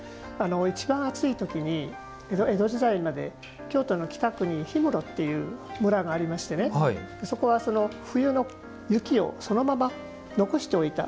一番、暑いときに江戸時代、京都の北区に氷室っていう村がありましてそこは、冬の雪をそのまま残しておいた。